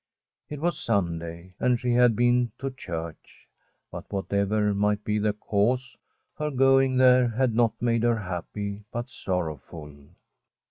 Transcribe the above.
It was Sunday, and she had been to church. But whatever might be the cause, her going there had not made her happy, but sorrowful.